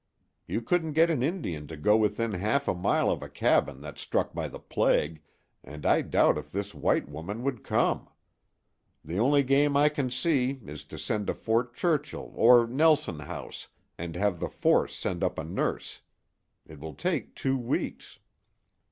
You couldn't get an Indian to go within half a mile of a cabin that's struck by the plague, and I doubt if this white woman would come. The only game I can see is to send to Fort Churchill or Nelson House and have the force send up a nurse. It will take two weeks."